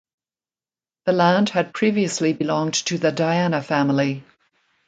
The land had previously belonged to the Diana family.